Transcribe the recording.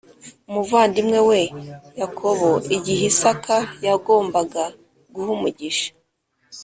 Umuvandimwe we yakobo igihe isaka yagombaga guha umugisha